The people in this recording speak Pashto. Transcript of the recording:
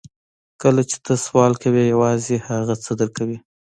کله چې ته سوال کوې یوازې هغه څه درکوي